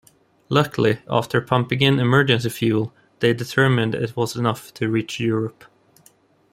Luckily, after pumping in emergency fuel, they determined it was enough to reach Europe.